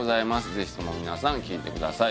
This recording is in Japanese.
ぜひとも皆さん聴いてください